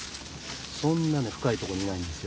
そんなね深いとこにいないんですよ。